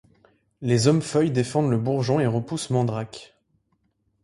Les hommes-feuilles défendent le bourgeon et repoussent Mandrake.